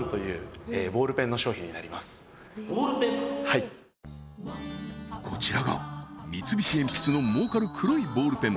はいこちらが三菱鉛筆の儲かる黒いボールペン